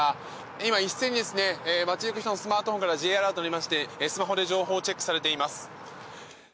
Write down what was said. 今、一斉に街行く人のスマートフォンからＪアラートが鳴りましてスマホで情報をチェックされています。